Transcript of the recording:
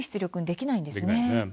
できないんですね。